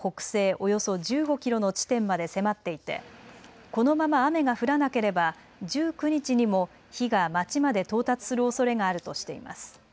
およそ１５キロの地点まで迫っていて、このまま雨が降らなければ１９日にも火が町まで到達するおそれがあるとしています。